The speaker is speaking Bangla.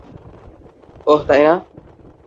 ওহ, তাই না?